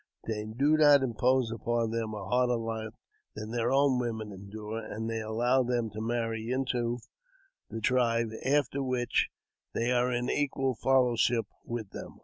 They do not impose upon them a harder lot than their own women endure, and they allow them to marry into the tribe, after which they are in equal fellowship with them.